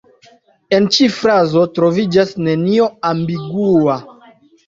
En ĉi frazo troviĝas nenio ambigua.